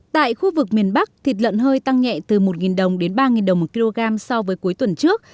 tại khu vực miền bắc thịt lợn hơi tăng nhẹ từ một đồng đến ba đồng một kg so với cuối tuần trước